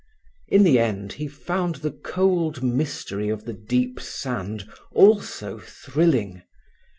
In the end he found the cold mystery of the deep sand also thrilling.